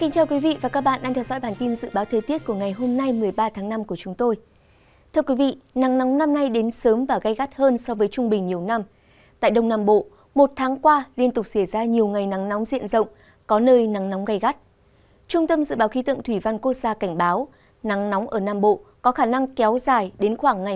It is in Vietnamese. các bạn hãy đăng ký kênh để ủng hộ kênh của chúng mình nhé